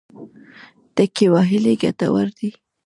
ټکی وهل ګټور دی.